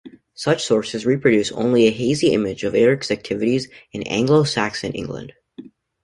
Such sources reproduce only a hazy image of Eric's activities in Anglo-Saxon England.